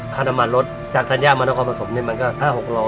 ค่าน้ำมันลดจากธัญญาณมันต้องความผสมนิดมันก็๕๐๐๖๐๐บาท